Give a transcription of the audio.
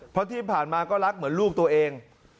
เพราะที่ผ่านมาก็รักเหมือนลูกตัวเอง